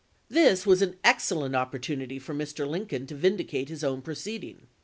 This was an excellent opportunity for Mr. Lincoln to vindicate his own proceeding.